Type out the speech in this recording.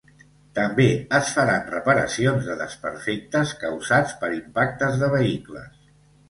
També es faran reparacions de desperfectes causats per impactes de vehicles.